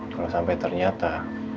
kalau sampai ternyata